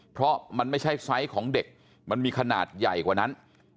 เพราะมันไม่ใช่ไซส์ของเด็กมันมีขนาดใหญ่กว่านั้น